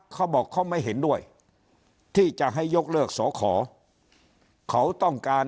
เขาบอกเขาไม่เห็นด้วยที่จะให้ยกเลิกสอขอเขาต้องการ